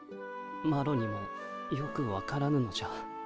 マロにもよくわからぬのじゃ。